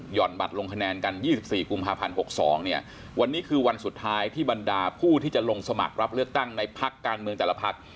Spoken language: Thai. บัตรลงคะแนนกัน๒๔กุมภาพันธ์๖๒เนี่ยวันนี้คือวันสุดท้ายที่บรรดาผู้ที่จะลงสมัครรับเลือกตั้งในพักการเมืองแต่ละพัก